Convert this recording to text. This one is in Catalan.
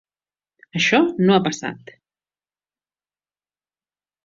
Això no ha passat.